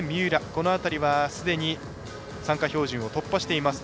この辺りはすでに参加標準を突破しています。